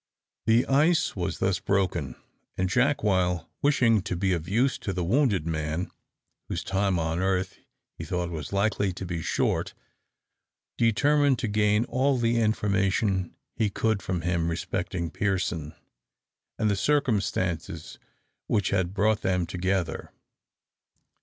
The ice was thus broken, and Jack, while wishing to be of use to the wounded man, whose time on earth he thought was likely to be short, determined to gain all the information he could from him respecting Pearson, and the circumstances which had brought them together.